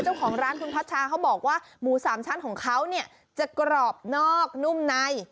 เจ้าของร้านคุณพัชชาเขาบอกว่าหมูสามชั้นของเขาเนี่ยจะกรอบนอกนุ่มใน